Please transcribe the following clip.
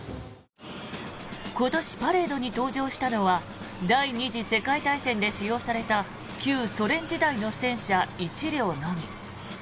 今年、パレードに登場したのは第２次世界大戦で使用された旧ソ連時代の戦車１両のみ。